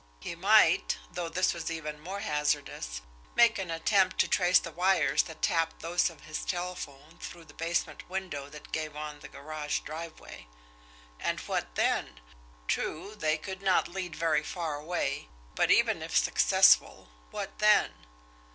He might though this was even more hazardous make an attempt to trace the wires that tapped those of his telephone through the basement window that gave on the garage driveway. And what then? True, they could not lead very far away; but, even if successful, what then?